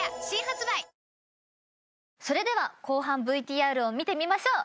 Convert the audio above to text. それでは後半ＶＴＲを見てみましょう。